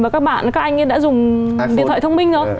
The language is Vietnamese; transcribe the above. các anh ấy đã dùng điện thoại thông minh